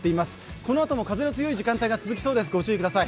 このあとも風の強い時間帯が続きそうです、ご注意ください。